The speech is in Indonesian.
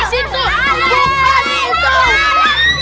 ligu mungkin sama santriwadi